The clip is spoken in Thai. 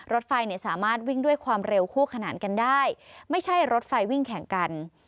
รถไฟเนี่ยสามารถวิ่งด้วยความเร็วคู่ขนานกันได้ไม่ใช่รถไฟวิ่งแข่งกัน